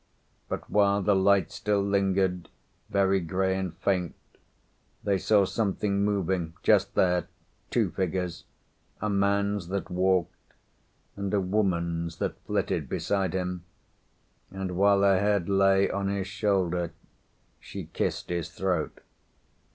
But while the light still lingered very grey and faint, they saw something moving, just there, two figures, a man's that walked, and a woman's that flitted beside him, and while her head lay on his shoulder she kissed his throat.